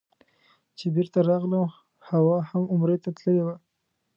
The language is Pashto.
چې بېرته راغلم حوا هم عمرې ته تللې وه.